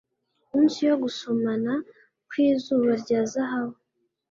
munsi yo gusomana kwizuba rya zahabu